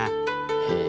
へえ。